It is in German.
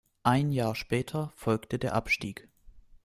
Ein Jahr später folgte der Abstieg.